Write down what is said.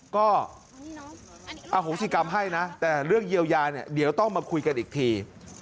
ก็อโหสิกรรมให้นะแต่เรื่องเยียวยาเนี่ยเดี๋ยวต้องมาคุยกันอีกที